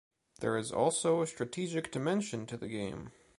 There is also a strategic dimension to the game.